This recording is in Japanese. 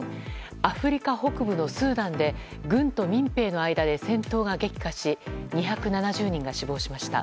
アフリカ北部のスーダンで軍と民兵の間で戦闘が激化し２７０人が死亡しました。